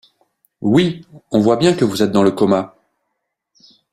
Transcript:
Oui, on voit bien que vous êtes dans le coma